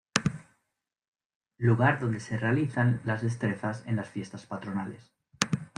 Lugar donde se realizan las destrezas en las Fiestas Patronales.